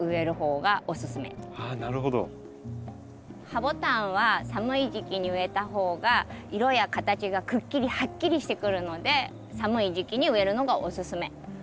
ハボタンは寒い時期に植えた方が色や形がくっきりはっきりしてくるので寒い時期に植えるのがおすすめ。